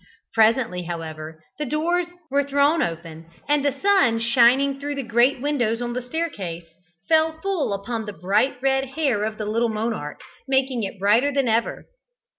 Presently, however, the doors were thrown open, and the sun shining through the great windows on the staircase, fell full upon the bright red hair of the little monarch, making it brighter than ever.